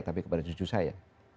tapi kepada cucu saya